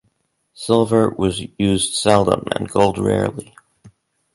Silver was used seldom and gold rarely.